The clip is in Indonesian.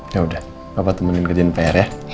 yaudah papa temanin kerjain pr ya